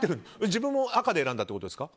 自分も赤で選んだということですか？